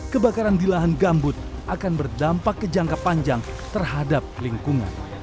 kebakaran di lahan gambut akan berdampak ke jangka panjang terhadap lingkungan